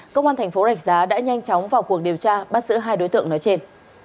công an thành phố rạch giá đã nhanh chóng vào cuộc điều tra bắt giữ hai đối tượng nói trên